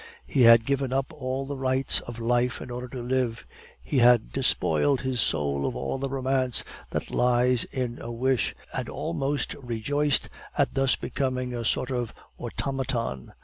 He had given up all the rights of life in order to live; he had despoiled his soul of all the romance that lies in a wish; and almost rejoiced at thus becoming a sort of automaton.